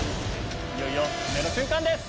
いよいよ運命の瞬間です！